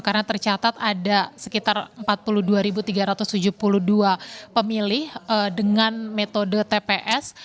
karena tercatat ada sekitar empat puluh dua tiga ratus tujuh puluh dua pemilih dengan metode tps